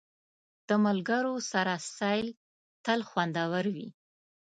د ملګرو سره سیل تل خوندور وي.